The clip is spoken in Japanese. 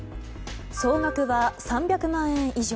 総額は３００万円以上。